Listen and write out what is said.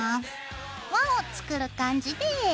輪を作る感じで。